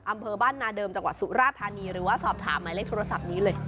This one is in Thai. อำเภอบ้านนาเดิมจังหวัดสุราธานีหรือว่าสอบถามหมายเลขโทรศัพท์นี้เลย